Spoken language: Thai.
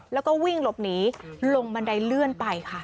แล้วก็วิ่งหลบหนีลงบันไดเลื่อนไปค่ะ